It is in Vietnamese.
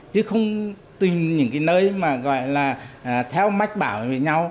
chứ không tìm những cái nơi mà gọi là theo mách bảo với nhau